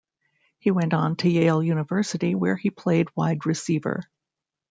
He went on to Yale University, where he played wide receiver.